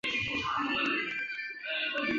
该站接驳公交东门口站。